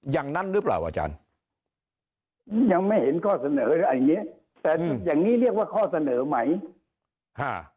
อย่างนั้นหรือเปล่าอาจารย์ยังไม่เห็นข้อเสนออะไรอย่างเงี้ยแต่อย่างงี้เรียกว่าข้อเสนอไหมฮะ